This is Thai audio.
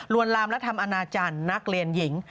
ลามและทำอนาจารย์นักเรียนหญิง